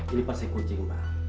ini pasti kucing pak